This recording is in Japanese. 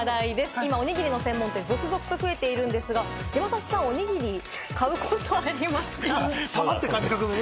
今おにぎりの専門店が続々と増えているんですが、山里さん、おにぎり買うことありますか？